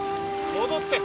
戻って。